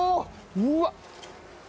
うわっ！